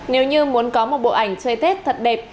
nếu như muốn có một bộ ảnh chơi tết thật đẹp